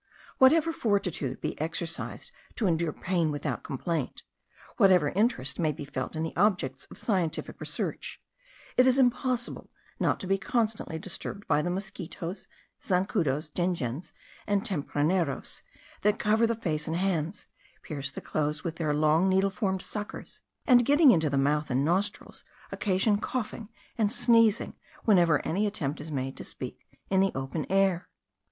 Whatever fortitude be exercised to endure pain without complaint, whatever interest may be felt in the objects of scientific research, it is impossible not to be constantly disturbed by the mosquitos, zancudos, jejens, and tempraneros, that cover the face and hands, pierce the clothes with their long needle formed suckers, and getting into the mouth and nostrils, occasion coughing and sneezing whenever any attempt is made to speak in the open air.